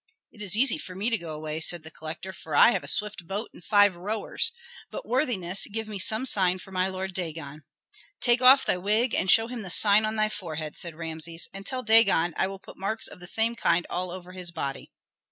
"It is easy for me to go away," said the collector, "for I have a swift boat and five rowers. But, worthiness, give me some sign for my lord Dagon." "Take off thy wig and show him the sign on thy forehead," said Rameses. "And tell Dagon that I will put marks of the same kind all over his body."